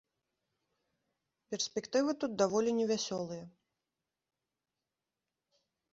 Перспектывы тут даволі невясёлыя.